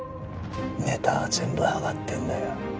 ネタは全部挙がってんだよ。